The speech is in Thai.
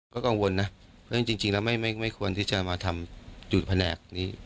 ก็กังวลนะเพราะจริงแล้วไม่ควรที่จะมาทำจุดแผนกนี้